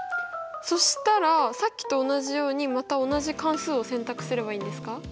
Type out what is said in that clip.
そしたらさっきと同じようにまた同じ関数を選択すればいいんですか？